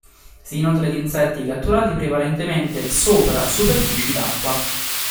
Si nutre di insetti catturati prevalentemente sopra superfici d'acqua.